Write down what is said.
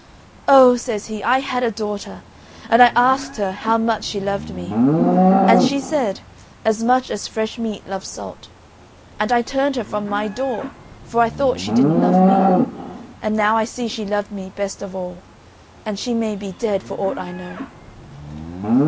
"Oh!" says he, "I had a daughter. And I asked her how much she loved me. And she said 'As much as fresh meat loves salt.' And I turned her from my door, for I thought she didn't love me. And now I see she loved me best of all. And she may be dead for aught I know."